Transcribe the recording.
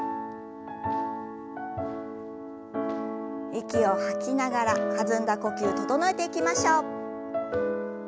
息を吐きながら弾んだ呼吸整えていきましょう。